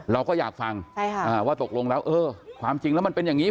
เราก็อยากฟังว่าตกลงแล้วเออความจริงแล้วมันเป็นอย่างนี้